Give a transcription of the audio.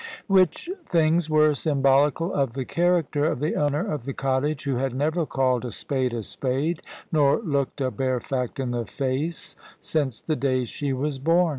Which things were symbolical of the character of the owner of the cottage, who had never called a spade a spade nor looked a bare fact in the face since the day she was bom.